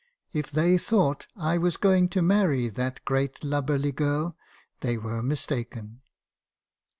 If they thought I was going to marry that great lub berly girl , they were mistaken.